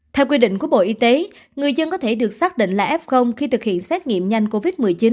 theo quy định của bộ y tế người dân có thể được xác định là f khi thực hiện xét nghiệm nhanh covid một mươi chín